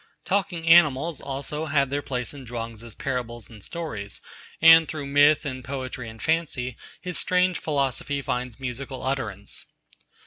Talking animals, also, have their place in Chuang Tzu's parables and stories, and through myth and poetry and fancy his strange philosophy finds musical utterance.